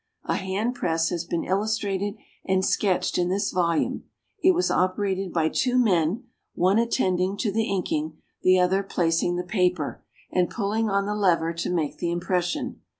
A hand press has been illustrated and sketched in this volume; it was operated by two men, one attending to the inking, the other placing the paper, and pulling on the lever to make the impression.